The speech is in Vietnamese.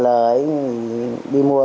tổng tiền truyền trong năm nay